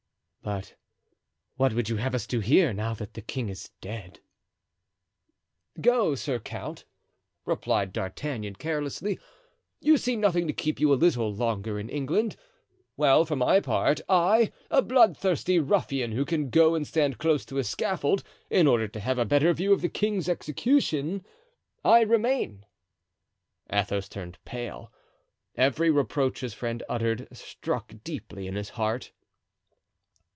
"But what would you have us to do here, now that the king is dead?" "Go, sir count," replied D'Artagnan, carelessly; "you see nothing to keep you a little longer in England? Well, for my part, I, a bloodthirsty ruffian, who can go and stand close to a scaffold, in order to have a better view of the king's execution—I remain." Athos turned pale. Every reproach his friend uttered struck deeply in his heart.